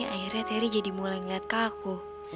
akhirnya terry jadi mulai ngeliat kakakku